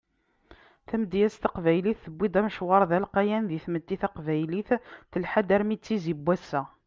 Tamedyazt taqbaylit tewwi-d amecwar d alqayan di tmetti taqbaylit telḥa-d armi d tizi n wass-a.